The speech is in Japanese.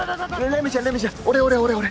レミちゃんレミちゃん俺俺俺俺。